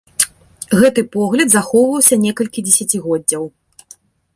Гэты погляд захоўваўся некалькі дзесяцігоддзяў.